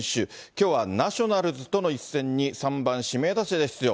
きょうはナショナルズとの一戦に３番指名打者で出場。